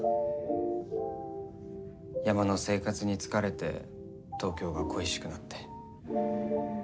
山の生活に疲れて東京が恋しくなって。